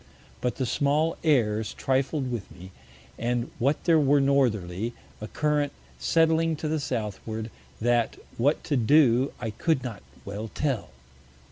But the small Airs trifled with me, and what there were Northerly, a Current setting to the Southward, that what to do I could not well tell.